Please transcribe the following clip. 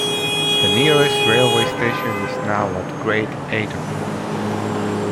The nearest railway station is now at Great Ayton.